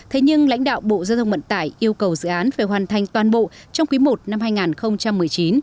thế nhưng lãnh đạo bộ giao thông vận tải yêu cầu dự án phải hoàn thành toàn bộ trong quý i năm hai nghìn một mươi chín